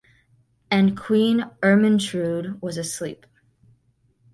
And Queen Ermintrude was asleep.